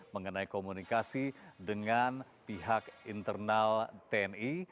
mengenai komunikasi dengan pihak internal tni